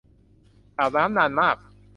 อาบน้ำนานมาก